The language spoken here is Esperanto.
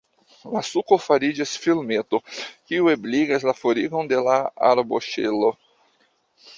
La suko fariĝas filmeto, kiu ebligas la forigon de la arboŝelo.